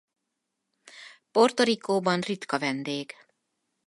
Puerto Ricóban ritka vendég.